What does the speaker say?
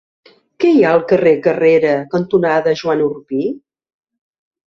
Què hi ha al carrer Carrera cantonada Joan Orpí?